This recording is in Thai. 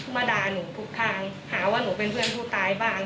มาด่าหนูทุกทางหาว่าหนูเป็นเพื่อนผู้ตายบ้าง